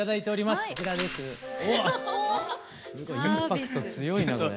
すごいインパクト強いなこれ。